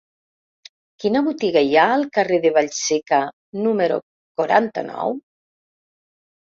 Quina botiga hi ha al carrer de Vallseca número quaranta-nou?